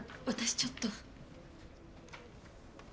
私ちょっと。